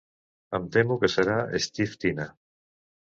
Em temo que serà Steve Tina.